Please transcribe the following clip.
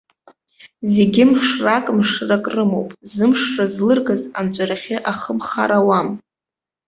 Зегьы мшрак-мшрак рымоуп, зымшра злыргаз анҵәарахьы ахы мхар ауам.